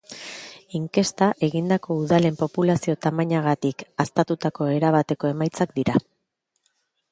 Inkesta egindako udalen populazio-tamainagatik haztatutako erabateko emaitzak dira.